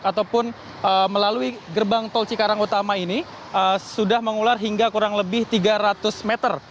ataupun melalui gerbang tol cikarang utama ini sudah mengular hingga kurang lebih tiga ratus meter